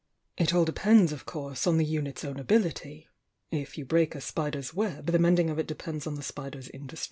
It all depends, of course on the unit's own ability,— if you break a spider's web, tne mending of it depends on the spider's in du8t